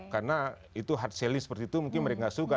karena itu hard selling seperti itu mungkin mereka tidak suka